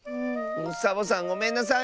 サボさんごめんなさい！